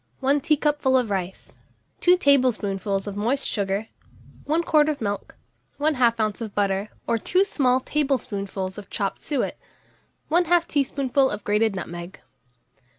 1 teacupful of rice, 2 tablespoonfuls of moist sugar, 1 quart of milk, 1/2 oz. of butter or 2 small tablespoonfuls of chopped suet, 1/2 teaspoonful of grated nutmeg.